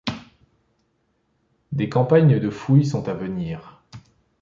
Des campagnes de fouilles sont à venir.